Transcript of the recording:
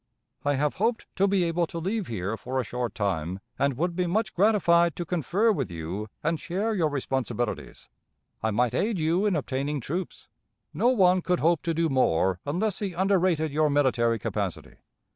"I have hoped to be able to leave here for a short time, and would be much gratified to confer with you, and share your responsibilities. I might aid you in obtaining troops; no one could hope to do more unless he underrated your military capacity.